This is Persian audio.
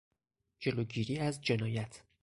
جلوگیری از جنایت